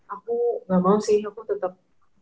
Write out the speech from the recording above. aku gak mau sih aku tetap